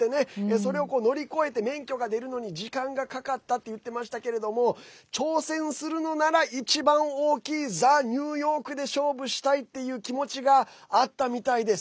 それを乗り越えて免許が出るのに時間がかかったって言ってましたけれども挑戦をするのなら一番大きいザ・ニューヨークで勝負したいっていう気持ちがあったみたいです。